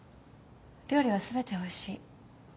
料理は全ておいしい。